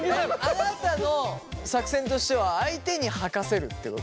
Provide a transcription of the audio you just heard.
あなたの作戦としては相手に吐かせるってこと？